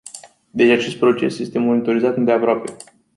Deci acest proces este monitorizat îndeaproape.